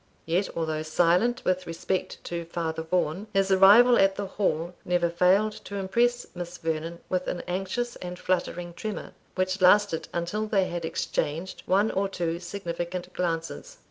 Yet although silent with respect to Father Vaughan, his arrival at the Hall never failed to impress Miss Vernon with an anxious and fluttering tremor, which lasted until they had exchanged one or two significant glances.